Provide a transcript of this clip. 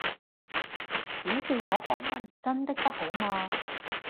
只是我韓文真的不好嘛